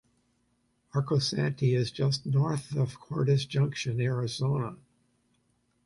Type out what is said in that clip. Arcosanti is just north of Cordes Junction, Arizona.